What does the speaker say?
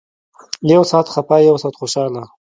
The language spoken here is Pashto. يو سات خپه يو سات خوشاله.